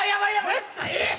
うるさい！